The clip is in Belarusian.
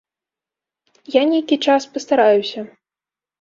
Я нейкі час пастараюся.